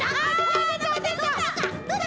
どうだ？